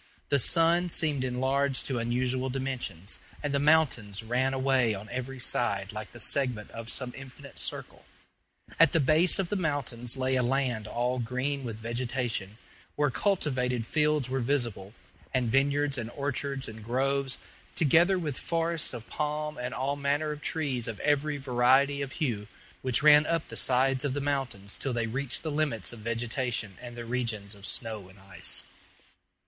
The sun seemed enlarged to unusual dimensions, and the mountains ran away on every side like the segment of some infinite circle. At the base of the mountains lay a land all green with vegetation, where cultivated fields were visible, and vineyards and orchards and groves, together with forests of palm and all manner of trees of every variety of hue, which ran up the sides of the mountains till they reached the limits of vegetation and the regions of snow and ice.